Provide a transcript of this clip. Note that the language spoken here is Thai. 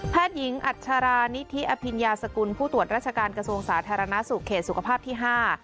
หญิงอัชรานิธิอภิญญาสกุลผู้ตรวจราชการกระทรวงสาธารณสุขเขตสุขภาพที่ห้า